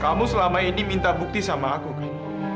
kamu selama ini minta bukti sama aku kan